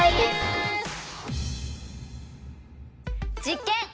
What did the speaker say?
実験！